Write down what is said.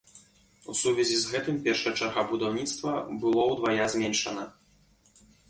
У сувязі з гэтым першая чарга будаўніцтва было ўдвая зменшана.